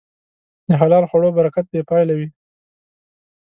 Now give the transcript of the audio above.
د حلال خوړو برکت بېپایله وي.